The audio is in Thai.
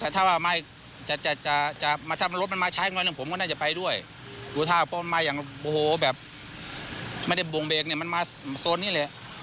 ถ้ารถมันมาใช้ก่อนหนึ่งผมก็น่าจะไปด้วยหรือว่าถ้ามันมาอย่างโอ้โหแบบไม่ได้บวงเบรกมันมาโซนนี้เลย